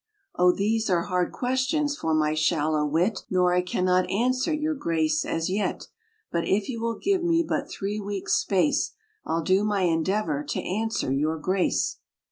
"O these are hard questions for my shallow wit, Nor I cannot answer your grace as yet: But if you will give me but three weeks' space, I'll do my endeavor to answer your grace."